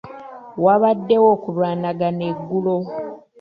Waabaddewo okulwanagana eggulo.